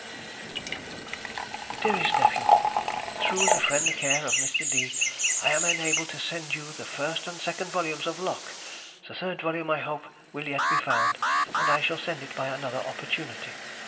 _ DEAREST NEPHEW,— Through the friendly care of Mr. D—— I am enabled to send you the first and second volumes of Locke, the third volume, I hope, will yet be found, and I shall send it by another opportunity.